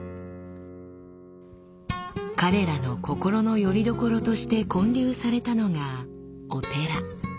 彼らの心のよりどころとして建立されたのがお寺。